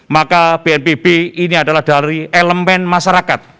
maka bnpb ini adalah dari elemen masyarakat